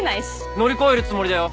乗り越えるつもりだよ。